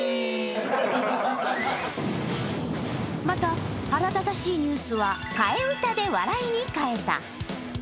また腹立たしいニュースは、替え歌で笑いにかえた。